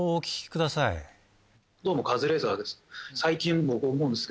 どうもカズレーザーです。